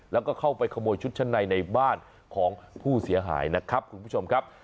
แล้วก็เข้าไปขโมยชุดชั้นในในบ้านของผู้เสียหายนะครับคุณผู้ชมครับ